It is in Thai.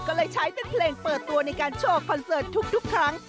ก็เลยใช้เป็นเพลงเปิดตัวในการโชว์คอนเสิร์ตทุกครั้ง